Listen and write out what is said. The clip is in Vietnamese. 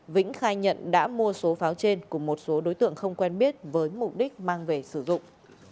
vĩnh khai nhận đã mua số pháo trên của một số đối tượng không quen biết với mục đích mang về sử dụng